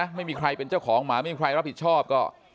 ไม่มีใครเป็นเจ้าของหมาไม่มีใครรับผิดชอบก็